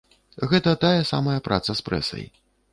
Гэта тая самая праца з прэсай.